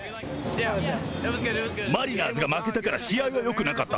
マリナーズが負けたから試合はよくなかった。